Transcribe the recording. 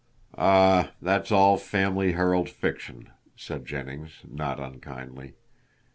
"Ah, that's all Family Herald fiction," said Jennings, not unkindly.